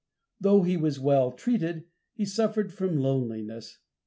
Though he was well treated, he suffered from loneliness.